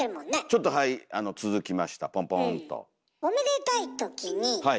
ちょっとはい続きましたポンポーンと。